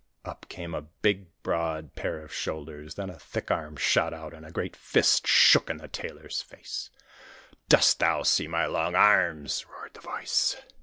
Up came a big broad pair of shoulders, then a thick arm shot out and a great fist shook in the Tailor's face. 'Dost thou see my long arms?' roared the voice.